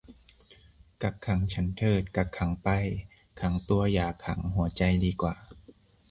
กักขังฉันเถิดกักขังไป ขังตัวอย่าขังหัวใจดีกว่า